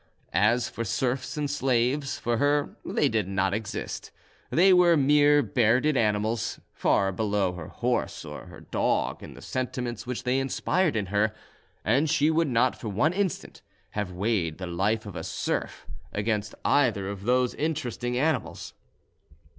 As for serfs and slaves, for her they did not exist: they were mere bearded animals, far below her horse or her dog in the sentiments which they inspired in her; and she would not for one instant have weighed the life of a serf against either of those interesting animals.